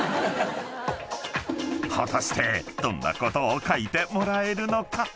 ［果たしてどんなことを書いてもらえるのか？］